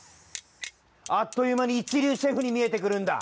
あっというまにいちりゅうシェフにみえてくるんだ。